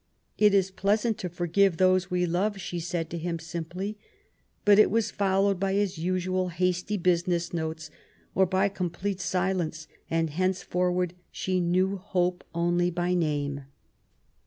^' It is pleasant to forgive those we love,'^ she said to him simply. But it was followed by his usual hasty business notes or by com plete silence, and henceforward she knew hope only by name.